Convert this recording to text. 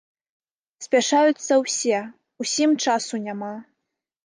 Спяшаюцца ўсе, усім часу няма.